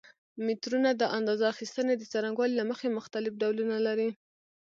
مترونه د اندازه اخیستنې د څرنګوالي له مخې مختلف ډولونه لري.